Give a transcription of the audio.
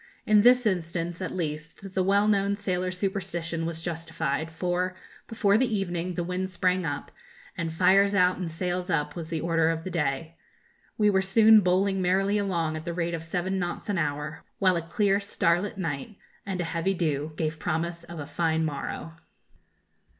In this instance, at least, the well known sailor's superstition was justified; for, before the evening, the wind sprang up, and 'fires out and sails up' was the order of the day. We were soon bowling merrily along at the rate of seven knots an hour, while a clear starlight night and a heavy dew gave promise of a fine morrow.